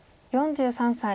４３歳。